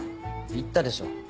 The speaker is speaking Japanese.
言ったでしょう。